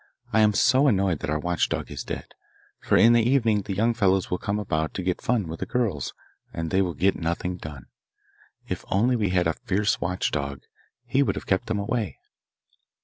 I am so annoyed that our watchdog is dead, for in the evening the young fellows will come about to get fun with the girls, and they will get nothing done. If we had only had a fierce watchdog he would have kept them away.